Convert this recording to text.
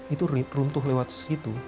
itu runtuh lewat situ